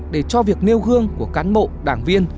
để cho việc nêu gương của cán bộ đảng viên